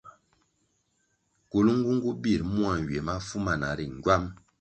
Kulnğunğu bir mua nywiè mafu mana ri ngywam.